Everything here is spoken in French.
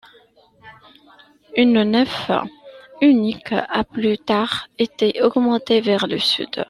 Une nef unique a plus tard été augmenté vers le sud.